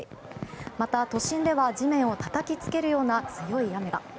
また、都心では地面をたたきつけるような強い雨が。